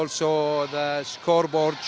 lapangan pentingnya harus